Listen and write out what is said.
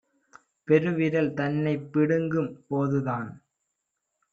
பெருவிரல் தன்னைப் பிடுங்கும் போதுதான்